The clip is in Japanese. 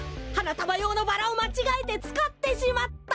たばようのバラをまちがえてつかってしまった！